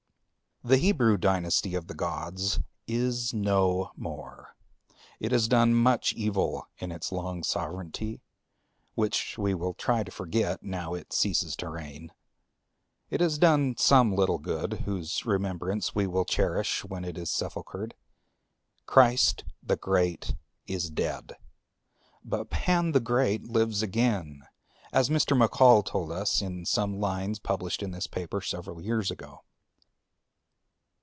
The Hebrew dynasty of the gods is no more; it has done much evil in its long sovranty, which we will try to forget now it ceases to reign; it has done some little good, whose remembrance we will cherish when it is sepulchred, Christ the Great is dead, but Pan the Great lives again, as Mr. Maccall told us in some lines published in this paper several years ago.